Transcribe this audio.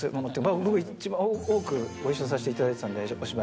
僕、一番多くご一緒させていただいたんで、お芝居。